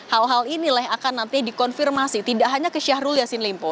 hal hal inilah yang akan dikonfirmasi dengan si syahrul yassine limpo